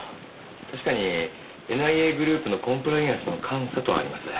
確かにＮＩＡグループのコンプライアンスの監査とあります。